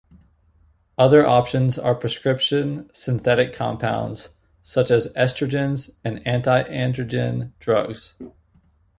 Other options are prescription synthetic compounds such as estrogens and anti-androgen drugs.